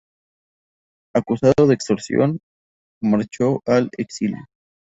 Acusado de extorsión, marchó al exilio.